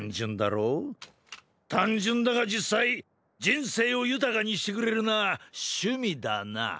単純だが実際人生を豊かにしてくれるのは「趣味」だな。